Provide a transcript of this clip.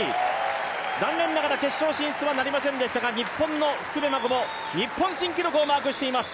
残念ながら決勝進出はなりませんでしたが、日本の福部真子も日本新記録をマークしています。